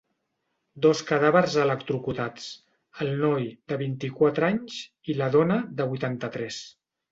Dos cadàvers electrocutats; el noi, de vint-i-quatre anys i la dona, de vuitanta-tres.